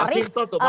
ya mas inton tuh